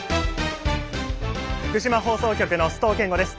福島放送局の須藤健吾です。